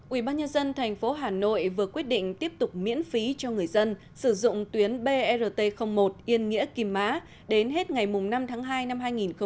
ubnd tp hà nội vừa quyết định tiếp tục miễn phí cho người dân sử dụng tuyến brt một yên nghĩa kìm má đến hết ngày năm tháng hai năm hai nghìn một mươi bảy